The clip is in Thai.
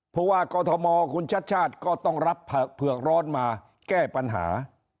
ผู้ว่ากอทมคุณชัดชาติก็ต้องรับเผือกร้อนมาแก้ปัญหา